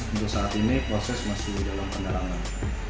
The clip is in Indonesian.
untuk saat ini proses masih dalam pendalaman